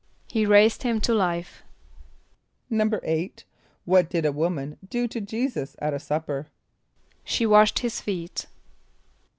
=He raised him to life.= =8.= What did a woman do to J[=e]´[s+]us at a supper? =She washed his feet.